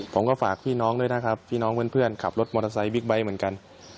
ผมก็ฝากพี่น้องด้วยนะครับพี่น้องเพื่อนขับรถมอเตอร์ไซค์บิ๊กไบท์เหมือนกัน